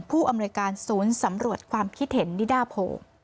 อำนวยการศูนย์สำรวจความคิดเห็นนิดาโพ